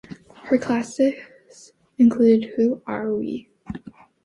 Her classics include Who Are We?